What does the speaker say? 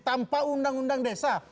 tanpa undang undang desa